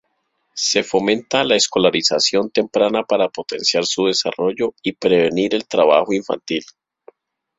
Se fomenta la escolarización temprana para potenciar su desarrollo y prevenir el trabajo infantil.